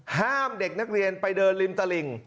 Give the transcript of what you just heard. ห้ามเด็กนักเรียนไปเดินริมตลิ่ง